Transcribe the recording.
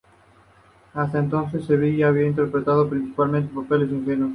Hasta entonces Sevilla había interpretado principalmente papeles ingenuos.